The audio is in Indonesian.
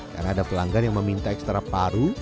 karena ada pelanggan yang meminta ekstra paru